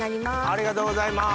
ありがとうございます。